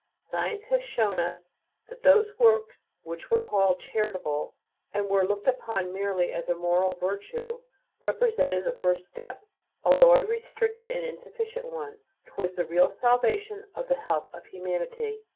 Science has shown us that those works which were called "charitable," and were looked upon merely as a moral virtue, represented the first step, although a restricted and insufficient one, towards the real salvation of the health of humanity.